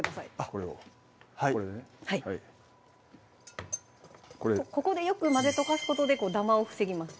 これをこれねはいここでよく混ぜ溶かすことでダマを防ぎます